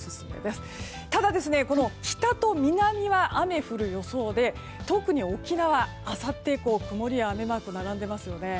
ただ、北と南は雨が降る予想で特に沖縄、あさって以降曇りや雨マークが並んでいますよね。